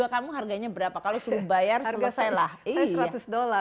mengurangi carbon market